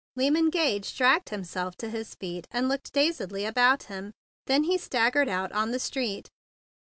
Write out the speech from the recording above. Lyman Gage dragged himself to his feet, and looked dazedly about him; then he staggered out on the street.